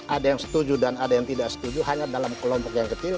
ada yang setuju dan ada yang tidak setuju hanya dalam kelompok yang kecil